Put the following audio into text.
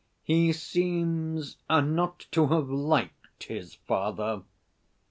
He seems not to have liked his father.